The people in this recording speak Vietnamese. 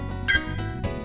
đẫu nhiệm cuốn c morgan